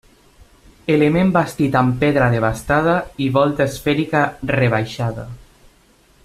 Element bastit amb pedra desbastada i volta esfèrica rebaixada.